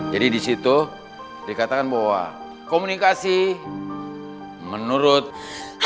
jadi disitu dikatakan bahwa komunikasi menurut hachi